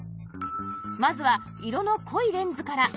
まずは色の濃いレンズから